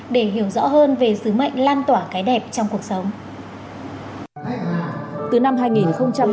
để hiểu rõ hơn về sứ mệnh lan tỏa cái đẹp trong cuộc sống